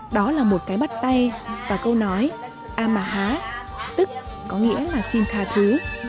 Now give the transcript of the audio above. đó là một cái bắt tay và câu nói a mà há tức có nghĩa là xin tha thứ